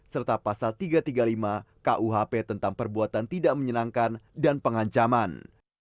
serta pasal tiga ratus tiga puluh lima kuhp tentang perbuatan tidak menyenangkan dan pengancaman